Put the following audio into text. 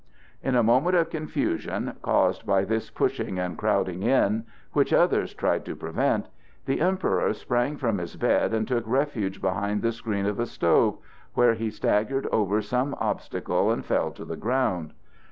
In a moment of confusion caused by this pushing and crowding in, which others tried to prevent, the Emperor sprang from his bed and took refuge behind the screen of a stove, where he staggered over some obstacle and fell to the ground.